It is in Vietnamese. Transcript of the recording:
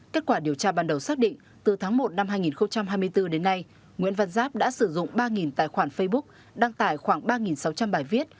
kết quả điều tra ban đầu xác định từ tháng một năm hai nghìn hai mươi bốn đến nay nguyễn văn giáp đã sử dụng ba tài khoản facebook đăng tải khoảng ba sáu trăm linh bài viết